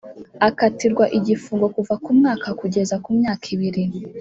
Akatirwa igifungo kuva ku mwaka kugeza ku myaka ibiri